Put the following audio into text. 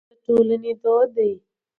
جرګه د پښتنو د ټولنې دود دی